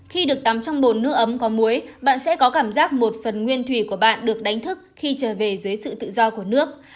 khi được tắm trong bồn nước ấm có muối bạn sẽ có cảm giác một phần nguyên thủy của bạn được đánh thức khi trở về dưới sự tự do của nước